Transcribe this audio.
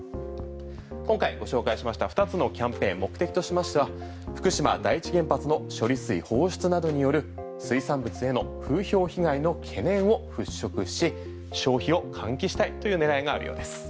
今回ご紹介しました２つのキャンペーン目的としましては福島第一原発の処理水放出などによる水産物への風評被害の懸念を払拭し消費を喚起したいという狙いがあるようです。